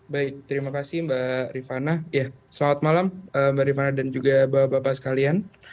baik terima kasih mbak rifana selamat malam mbak rifana dan juga bapak bapak sekalian